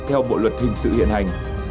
theo bộ luật hình sự hiện hành